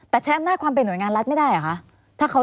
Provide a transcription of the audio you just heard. แต่ใช้อำนาจความเป็นห่วยงานรัฐไม่ได้เหรอคะ